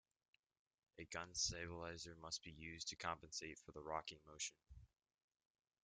A gun stabilizer must be used to compensate for the rocking motion.